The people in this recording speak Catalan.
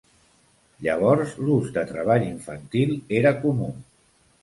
Llavors l'ús de treball infantil era comú.